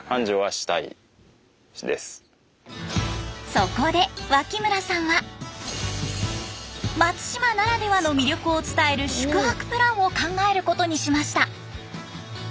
そこで脇村さんは松島ならではの魅力を伝える宿泊プランを考えることにしました。